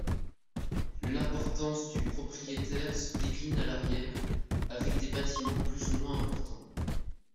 L'importance du propriétaire se décline à l'arrière, avec des bâtiments plus ou moins importants.